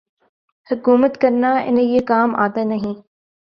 حکومت کرنا انہیں یہ کام آتا نہیں۔